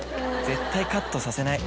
絶対カットさせない。